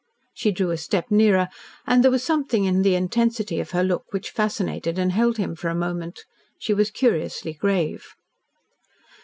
She drew a step nearer, and there was something in the intensity of her look which fascinated and held him for a moment. She was curiously grave.